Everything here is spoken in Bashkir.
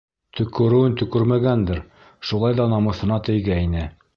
Төкөрөүен төкөрмәгәндер, шулай ҙа намыҫына тейгәйне.